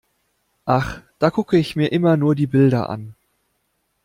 Ach, da gucke ich mir immer nur die Bilder an.